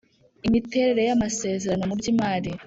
imiterere y amasezerano mu by imari